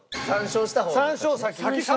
３勝した方が勝ち。